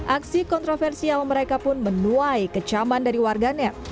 aksi kontroversial mereka pun menuai kecaman dari warganet